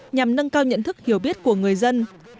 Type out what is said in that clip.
nhằm nâng cao nhận thức hiểu biết của người dân